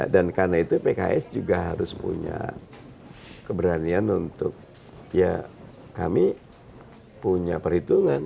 dan karena itu pks juga harus punya keberanian untuk ya kami punya perhitungan